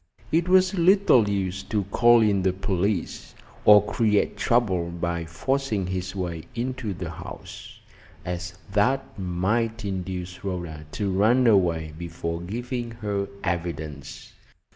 It was little use to call in the police, or create trouble by forcing his way into the house, as that might induce Rhoda to run away before giving her evidence.